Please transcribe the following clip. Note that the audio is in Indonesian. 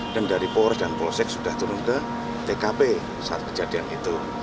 dan dari polres dan polosek sudah turun ke tkp saat kejadian itu